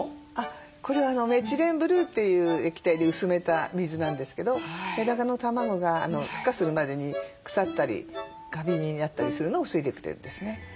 これメチレンブルーという液体で薄めた水なんですけどメダカの卵がふ化するまでに腐ったりカビになったりするのを防いでくれるんですね。